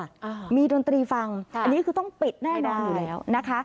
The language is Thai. อ่ามีดนตรีฟังค่ะอันนี้คือต้องปิดแน่นอนอยู่แล้วนะคะ